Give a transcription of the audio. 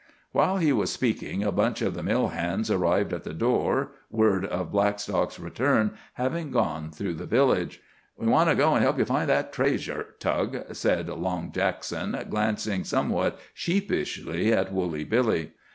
While he was speaking, a bunch of the mill hands arrived at the door, word of Blackstock's return having gone through the village. "We want to go an' help ye find that traysure, Tug," said Long Jackson, glancing somewhat sheepishly at Woolly Billy.